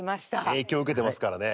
影響受けてますからね。